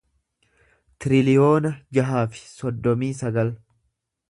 tiriliyoona jaha fi soddomii sagal